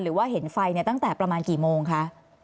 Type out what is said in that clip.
หรือว่าเห็นไฟตั้งแต่ประมาณกี่โมงคะ